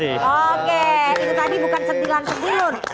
itu tadi bukan setilan setilun